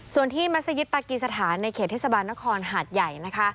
ส่วนที่มัศยิตปากีสถานในเขตเทศบาลนครหาดใหญ่นะคะ